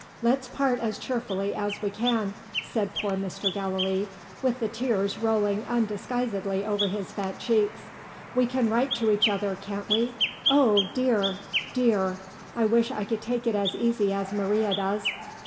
Let's part as cheerfully as we can," said poor Mr. Gallilee, with the tears rolling undisguisedly over his fat cheeks. "We can write to each other can't we? Oh dear! dear! I wish I could take it as easy as Maria does.